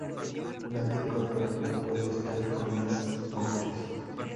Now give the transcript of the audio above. Nate Cooper no puede estar con las mujeres.